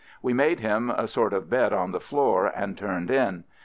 We made him a sort of a bed on the floor and turned in.